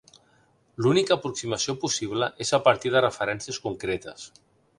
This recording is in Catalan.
L'única aproximació possible és a partir de referències concretes.